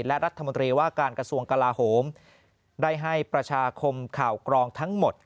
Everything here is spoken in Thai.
และรัฐมนตรีว่าการกระทรวงกลาโหมได้ให้ประชาคมข่าวกรองทั้งหมด